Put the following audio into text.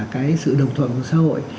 cái sự đồng thuận của xã hội